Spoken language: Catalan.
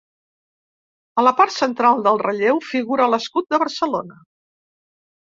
A la part central del relleu figura l'escut de Barcelona.